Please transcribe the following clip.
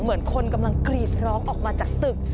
เหมือนคนกำลังกรีดร้องออกมาจากตึก